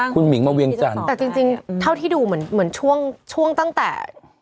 คุณหิงมาเวียงจันทร์แต่จริงจริงเท่าที่ดูเหมือนเหมือนช่วงช่วงตั้งแต่